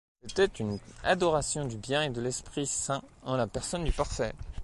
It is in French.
C'était une adoration du Bien et de l'Esprit Saint en la personne du Parfait.